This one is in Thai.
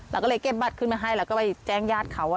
เราก็เลยเก็บบัตรขึ้นมาให้แล้วก็ไปแจ้งญาติเขาว่า